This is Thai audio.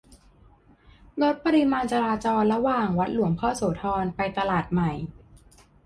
ลดปริมาณจราจรระหว่าง วัดหลวงพ่อโสธร ไปตลาดบ้านใหม่